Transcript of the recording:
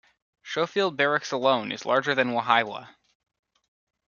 Schofield Barracks alone is larger than Wahiawa.